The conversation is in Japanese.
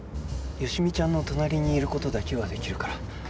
好美ちゃんの隣にいる事だけはできるから。